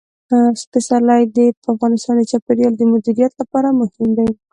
پسرلی د افغانستان د چاپیریال د مدیریت لپاره مهم دي.